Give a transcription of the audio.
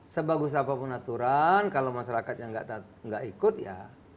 sebagus apapun aturan kalau masyarakat yang gak ikut ya